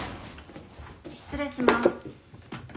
失礼します。